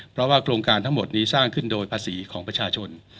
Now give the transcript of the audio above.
เพราะว่าโครงการทั้งหมดนี้สร้างขึ้นโดยภาษีของประชาชน